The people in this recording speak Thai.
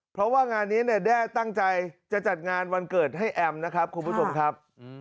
เพราะว่างานนี้เนี่ยแด้ตั้งใจจะจัดงานวันเกิดให้แอมนะครับคุณผู้ชมครับ